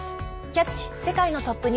「キャッチ！